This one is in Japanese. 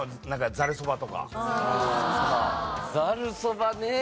ざるそばね。